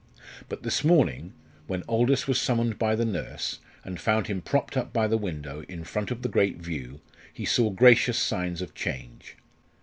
But this morning, when Aldous was summoned by the nurse, and found him propped up by the window, in front of the great view, he saw gracious signs of change.